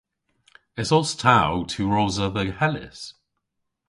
Esos ta ow tiwrosa dhe Hellys?